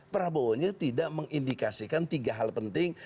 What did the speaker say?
prabowo nya tidak mengindikasikan tiga hal penting